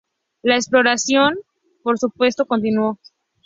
La exploración, por supuesto, continuó.